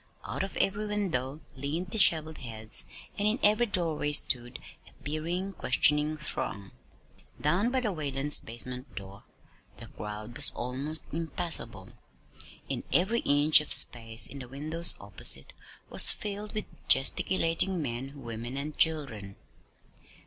Out of every window leaned disheveled heads, and in every doorway stood a peering, questioning throng. Down by the Whalens' basement door, the crowd was almost impassable; and every inch of space in the windows opposite was filled with gesticulating men, women, and children.